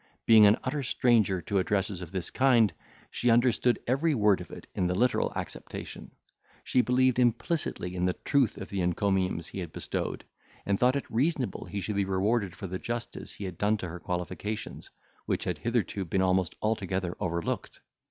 Being an utter stranger to addresses of this kind, she understood every word of it in the literal acceptation; she believed implicitly in the truth of the encomiums he had bestowed, and thought it reasonable he should be rewarded for the justice he had done to her qualifications, which had hitherto been almost altogether overlooked.